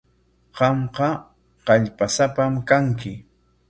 Qamqa kallpasapam kanki.